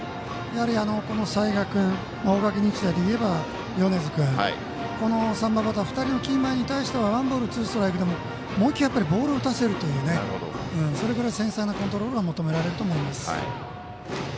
やはり、齊賀君大垣日大でいえば米津君、この３番バッター２人のキーマンに対してはワンボール、ツーストライクでももう１球ボールを打たせるというそれくらい繊細なコントロールが求められると思います。